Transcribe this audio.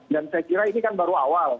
dan saya kira ini kan baru awal